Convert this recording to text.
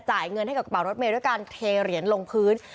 จ่ายเงินให้กระเป๋ารถเมย์ด้วยการเทเหรียญลงพื้น